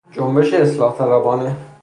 جنبش اصلاح طلبانه